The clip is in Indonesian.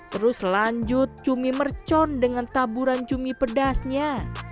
terus lanjut cumi mercon dengan taburan cumi pedasnya